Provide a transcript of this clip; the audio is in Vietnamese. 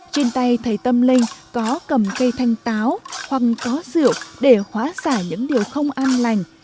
trên tay thầy tâm linh có cầm cây thanh táo hoặc có rượu để hóa xả những điều không an lành